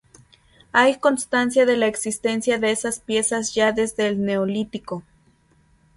Hay constancia de la existencia de esas piezas ya desde el neolítico.